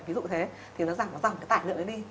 ví dụ thế thì nó giảm tài lượng ấy đi